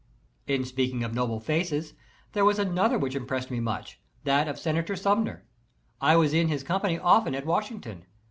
In speaking of noble faces, there was another which impressed me much, that of Senator Sumner. I was in his company often at Washington.